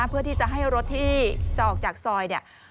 เพื่อที่จะให้รถที่จะออกจากซอยเนี่ย